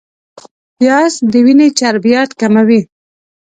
پیاز د وینې چربیات کموي